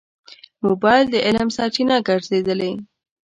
موبایل د علم سرچینه ګرځېدلې.